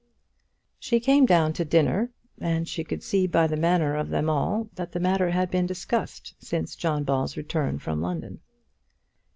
She came down to dinner, and she could see by the manner of them all that the matter had been discussed since John Ball's return from London.